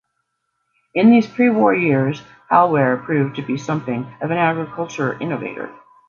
In these pre-war years, Hal Ware proved to be something of an agricultural innovator.